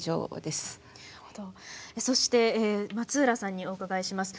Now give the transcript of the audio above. そして松浦さんにお伺いします。